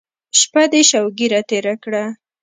شپه دې شوګیره تېره کړه.